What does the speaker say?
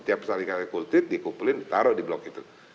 tiap sekali kali kultif dikumpulin ditaro di blog itu